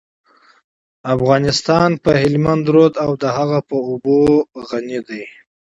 افغانستان په هلمند سیند او د هغې په اوبو غني دی.